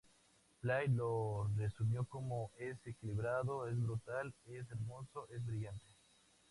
Play lo resumió como "es equilibrado, es brutal, es hermoso, es brillante.